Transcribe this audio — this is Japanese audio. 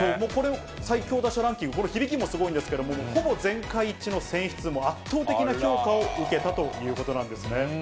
最強打者ランキング、これ、響きもすごいんですけど、これ、ほぼ全会一致の選出、圧倒的な評価を受けたということなんですね。